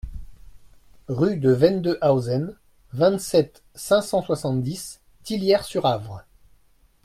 Rue de Wendehausen, vingt-sept, cinq cent soixante-dix Tillières-sur-Avre